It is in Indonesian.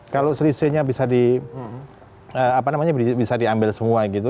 kalau selisihnya bisa diambil semua gitu